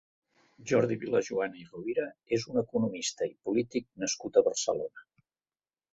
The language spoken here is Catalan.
Jordi Vilajoana i Rovira és un economista i polític nascut a Barcelona.